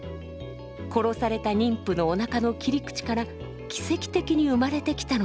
殺された妊婦のおなかの切り口から奇跡的に生まれてきたのだとか。